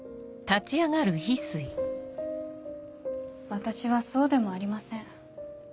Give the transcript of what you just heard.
私はそうでもありません。